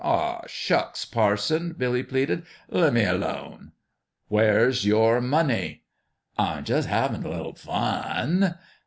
"Ah, shucks, parson!" Billy pleaded, "lea' me alone." " Where's your money ?"" I'm jus' havin' a little fun."